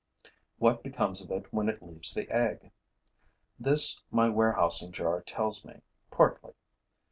What becomes of it when it leaves the egg? This my warehousing jar tells me, partly.